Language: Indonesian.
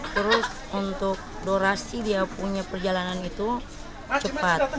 terus untuk durasi dia punya perjalanan itu cepat